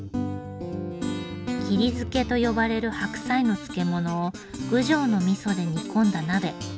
切り漬けと呼ばれる白菜の漬け物を郡上のみそで煮込んだ鍋。